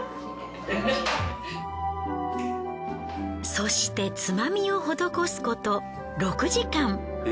そしてつまみを施すこと６時間。え。